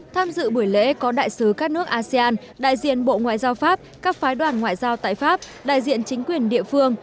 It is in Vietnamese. tham dự buổi lễ có đại sứ các nước asean đại diện bộ ngoại giao pháp các phái đoàn ngoại giao tại pháp đại diện chính quyền địa phương